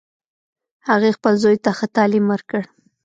هغې خپل زوی ته ښه تعلیم ورکړ